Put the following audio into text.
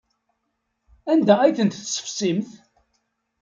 Anda ay ten-tessefsimt?